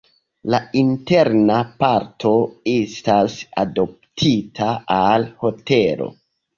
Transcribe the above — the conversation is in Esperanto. La interna parto estas adoptita al hotelo.